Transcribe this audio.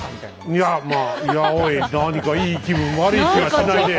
いやまあいやおい何かいい気分悪い気はしないねえ。